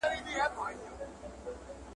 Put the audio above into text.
د اوبو نه کوچ اوباسي.